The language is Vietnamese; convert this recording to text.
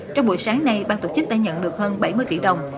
trong buổi sáng nay ban tổ chức đã nhận được hơn bảy mươi tỷ đồng